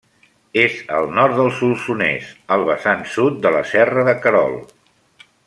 És al nord del Solsonès, al vessant sud de la serra de Querol.